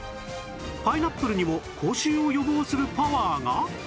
パイナップルにも口臭を予防するパワーが？